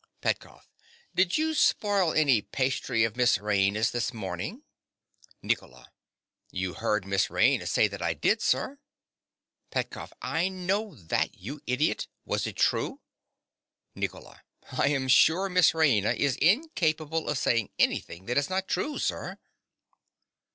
PETKOFF. Did you spoil any pastry of Miss Raina's this morning? NICOLA. You heard Miss Raina say that I did, sir. PETKOFF. I know that, you idiot. Was it true? NICOLA. I am sure Miss Raina is incapable of saying anything that is not true, sir.